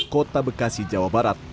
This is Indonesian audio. kota bekasi jawa barat